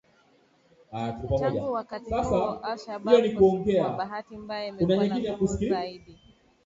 Tangu wakati huo al-Shabab kwa bahati mbaya imekuwa na nguvu zaidi.